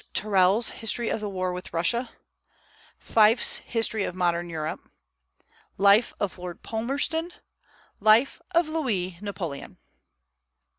Tyrrell's History of the War with Russia; Fyffe's History of Modern Europe; Life of Lord Palmerston; Life of Louis Napoleon.